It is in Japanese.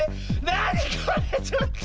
なにこれ⁉ちょっと。